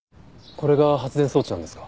これが発電装置なんですか？